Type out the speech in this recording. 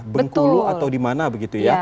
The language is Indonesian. bengkulu atau di mana begitu ya